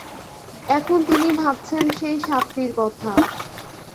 এখন তিনি ভাবছেন সেই সাপটির কথা।